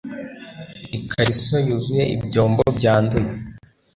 ikariso yuzuye ibyombo byanduye